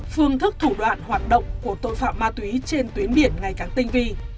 phương thức thủ đoạn hoạt động của tội phạm ma túy trên tuyến biển ngày càng tinh vi